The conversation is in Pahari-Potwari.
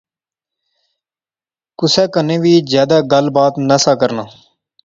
کسے کنے وی جادے گل بات نہسا کرنا